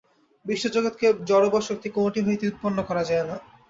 বিশ্বজগৎকে জড় বা শক্তি কোনটি হইতেই উৎপন্ন করা যায় না।